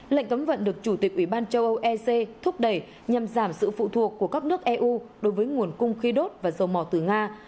lệnh cấm vận được chủ tịch ủy ban châu âu ec thúc đẩy nhằm giảm sự phụ thuộc của các nước eu đối với nguồn cung khí đốt và dầu mỏ từ nga